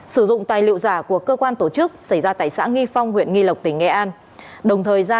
sử dụng tài liệu giả của cơ quan tổ chức xảy ra